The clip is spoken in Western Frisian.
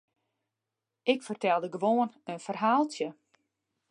Ik fertelde gewoan in ferhaaltsje.